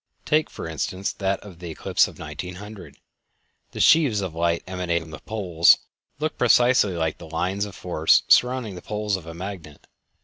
Take, for instance, that of the eclipse of 1900. The sheaves of light emanating from the poles look precisely like the "lines of force" surrounding the poles of a magnet.